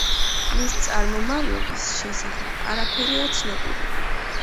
მისი წარმომავლობის შესახებ არაფერია ცნობილი.